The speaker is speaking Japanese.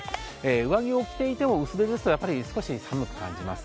上着を着ていても薄手ですと少し寒く感じます。